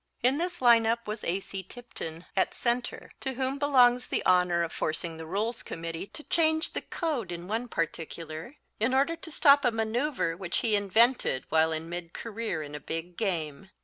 In this lineup was A. C. Tipton, at center, to whom belongs the honor of forcing the Rules Committee to change the code in one particular in order to stop a maneuver which he invented while in midcareer in a big game.